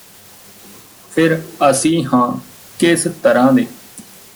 ਫਿਰ ਅਸੀਂ ਹਾਂ ਕਿਸ ਤਰ੍ਹਾਂ ਦੇ